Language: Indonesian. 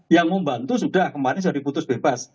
yang membantu sudah kemarin sudah diputus bebas